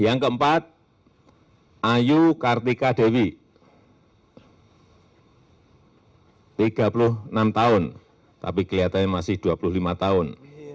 yang keempat ayu kartika dewi tiga puluh enam tahun tapi kelihatannya masih dua puluh lima tahun